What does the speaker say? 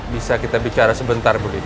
bisa kita bicara sebentar budi